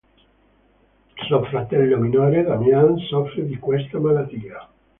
Suo fratello minore, Damian, soffre di questa malattia.